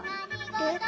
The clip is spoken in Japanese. えっ？